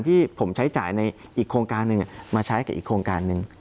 ที่ผมใช้จ่ายในอีกโครงการหนึ่งมาใช้กับอีกโครงการหนึ่ง